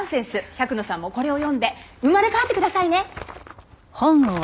百野さんもこれを読んで生まれ変わってくださいね！